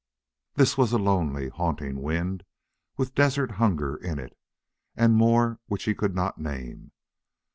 This was a lonely, haunting wind, with desert hunger in it, and more which he could not name.